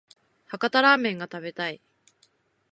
博多ラーメンが食べたい